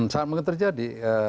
sangat mungkin terjadi